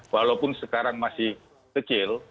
walaupun sekarang masih kecil